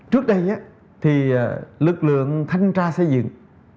trước đây thì lực lượng thanh tra xây dựng